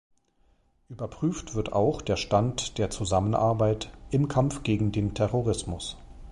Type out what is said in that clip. Überprüft wird auch der Stand der Zusammenarbeit im Kampf gegen den Terrorismus.